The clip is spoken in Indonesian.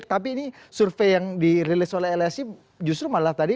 tapi ini survei yang dirilis oleh lsi justru malah tadi